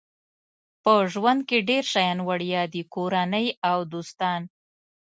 په ژوند کې ډېر شیان وړیا دي کورنۍ او دوستان.